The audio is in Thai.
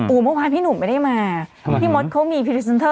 อู๋เมื่อวานพี่หนูไม่ได้มาทำไมพี่มดเขามีตัวใหม่ฮะ